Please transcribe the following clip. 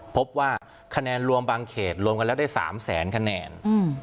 พบว่าคะแนนรวมบางเขตรวมกันแล้วได้๓แสนคะแนน